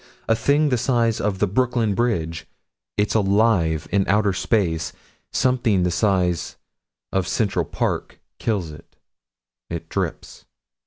A thing the size of the Brooklyn Bridge. It's alive in outer space something the size of Central Park kills it It drips.